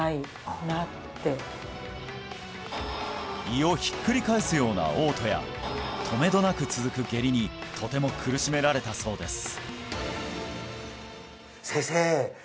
胃をひっくり返すような嘔吐や止めどなく続く下痢にとても苦しめられたそうです